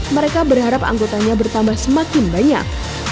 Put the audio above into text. mereka berharap anggotanya bertambah semakin banyak